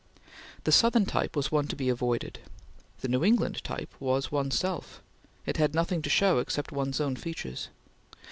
The Southern type was one to be avoided; the New England type was one's self. It had nothing to show except one's own features.